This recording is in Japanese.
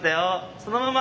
そのまま！